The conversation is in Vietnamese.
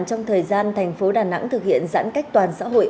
trong thời gian thành phố đà nẵng thực hiện giãn cách toàn xã hội